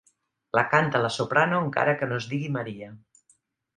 La canta la soprano encara que no es digui Maria.